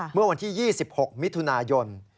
เมื่อวันที่๒๖มิถุนายน